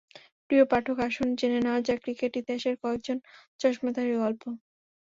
প্রিয় পাঠক আসুন, জেনে নেওয়া যাক ক্রিকেট ইতিহাসের কয়েকজন চশমাধারীর গল্প।